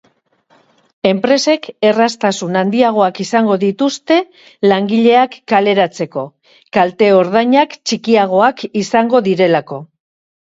Enpresek erraztasun handiagoak izango dituzte langileak kaleratzeko, kalte-ordainak txikiagoak izango direlako.